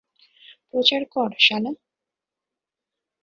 প্রচার কর, শালা!